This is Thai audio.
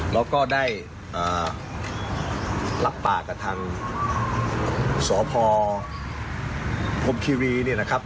แล้วก็ได้อ่ารับปากระทั่งสพพรมคิรีเนี่ยนะครับ